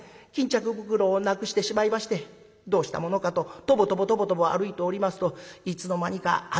巾着袋をなくしてしまいましてどうしたものかととぼとぼとぼとぼ歩いておりますといつの間にか吾妻橋でございました。